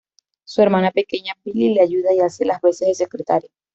Su hermana pequeña Pili le ayuda y hace las veces de secretaria.